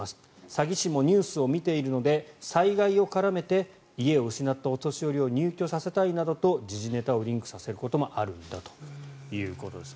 詐欺師もニュースを見ているので災害を絡めて家を失ったお年寄りを入居させたいなどと時事ネタをリンクさせることもあるんだということです。